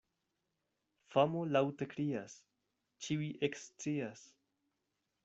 Famo laŭte krias, ĉiuj ekscias.